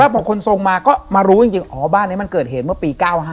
พอคนทรงมาก็มารู้จริงอ๋อบ้านนี้มันเกิดเหตุเมื่อปี๙๕